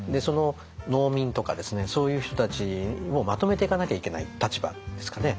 農民とかそういう人たちをまとめていかなきゃいけない立場ですかね